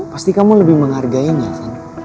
pasti kamu lebih menghargainya kan